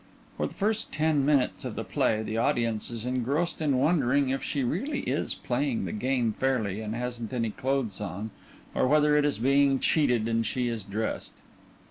For the first ten minutes of the play the audience is engrossed in wondering if she really is playing the game fairly and hasn't any clothes on or whether it is being cheated and she is dressed.